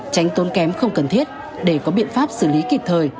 tránh tốn kém không cần thiết để có biện pháp xử lý kịp thời